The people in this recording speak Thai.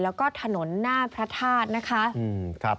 แล้วก็ถนนหน้าพระธาตุนะคะ